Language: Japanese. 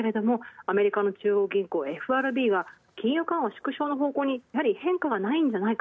アメリカの銀行ＦＲＢが金融緩和縮小の方向に変化がないんじゃないか。